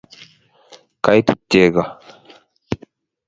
kaitit chego